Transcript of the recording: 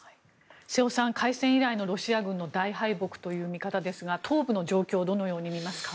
瀬尾さん、開戦以来のロシア軍の大敗北という見方ですが、東部の状況をどのように見ますか？